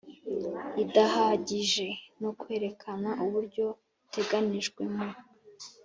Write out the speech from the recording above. idahagije no kwerekana uburyo buteganijwe mu